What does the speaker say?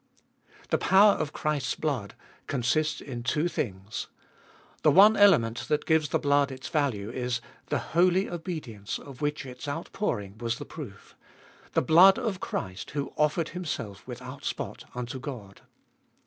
The power of Christ's blood consists in two things. The one element that gives the blood its value is, the holy obedience of which its outpouring was the proof; the blood of Christ who offered Himself without spot unto God.